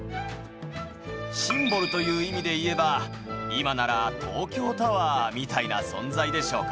シンボルという意味で言えば今なら東京タワーみたいな存在でしょうか。